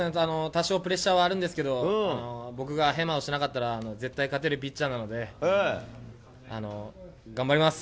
多少、プレッシャーはあるんですけど、僕がへまをしなかったら絶対勝てるピッチャーなので、頑張ります！